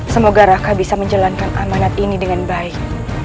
semoga raka bisa menjalankan amanat ini dengan baik